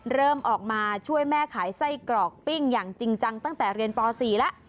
เริ่มออกมาช่วยแม่ขายไส้กรอกปิ้งอย่างจริงจังตั้งแต่เรียนป๔แล้ว